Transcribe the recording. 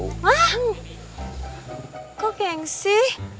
hah kok gengsi